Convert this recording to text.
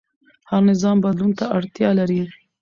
هر نظام بدلون ته اړتیا لري